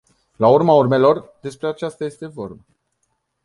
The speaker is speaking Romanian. La urma urmelor, despre aceasta este vorba.